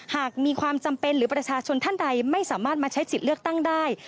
หากมีความจำเป็นหรือประชาชนท่านใดไม่สามารถมาใช้สิทธิ์เลือกตั้งได้